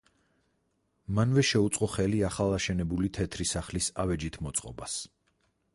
მანვე შეუწყო ხელი ახალაშენებული თეთრი სახლის ავეჯით მოწყობას.